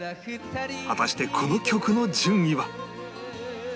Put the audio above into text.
果たしてこの曲の順位は？